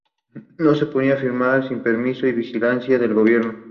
No se podía filmar sin permiso y vigilancia del gobierno.